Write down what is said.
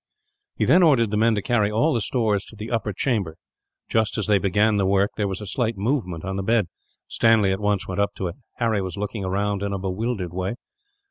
He then ordered the men to carry all the stores to the upper chamber. Just as they began the work, there was a slight movement on the bed. Stanley at once went up to it. Harry was looking round, in a bewildered way.